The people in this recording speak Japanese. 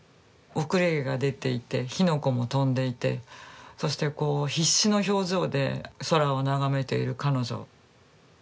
後れ毛が出ていて火の粉も飛んでいてそしてこう必死の表情で空を眺めている彼女。